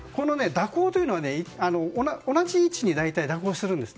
蛇行というのは同じ位置に大体、蛇行するんです。